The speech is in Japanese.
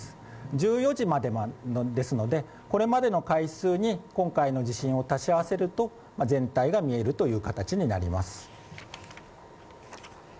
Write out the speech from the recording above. １４時までですので、これまでの回数に今回の地震を足すと全体が見えるという形になります。